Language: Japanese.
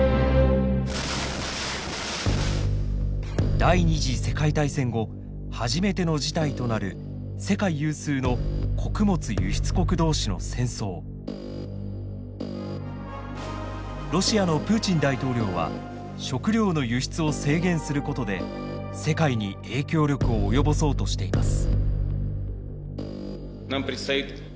第２次世界大戦後初めての事態となる世界有数のロシアのプーチン大統領は食料の輸出を制限することで世界に影響力を及ぼそうとしています。